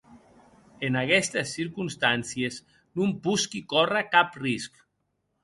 En aguestes circonstàncies, non posqui córrer cap risc.